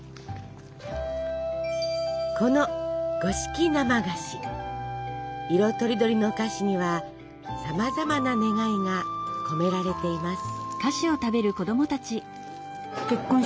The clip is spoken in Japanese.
この色とりどりの菓子にはさまざまな願いが込められています。